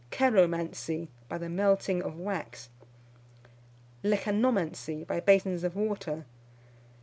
Ceromancy, by the melting of wax. Lecanomancy, by basins of water.